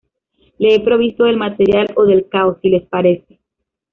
Le he provisto del material o del caos, si les parece.